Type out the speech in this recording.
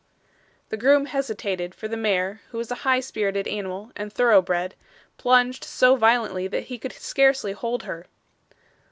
The groom hesitated, for the mare, who was a high spirited animal and thorough bred, plunged so violently that he could scarcely hold her.